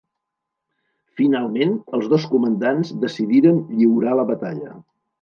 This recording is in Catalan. Finalment, els dos comandants decidiren lliurar la batalla.